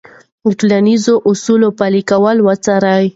د ټولنیزو اصولو پلي کېدل وڅارئ.